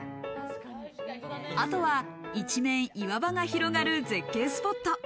あとは一面岩場が広がる絶景スポット。